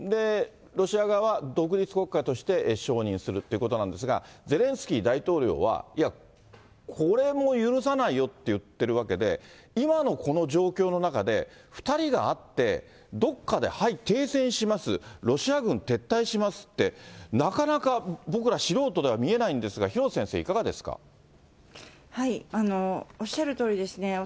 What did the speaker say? ロシア側は独立国家として承認するってことなんですが、ゼレンスキー大統領は、いや、これも許さないよって言ってるわけで、今のこの状況の中で、２人が会って、どっかで、はい、停戦します、ロシア軍撤退しますって、なかなか僕ら素人では見えないんですが、おっしゃるとおりですね。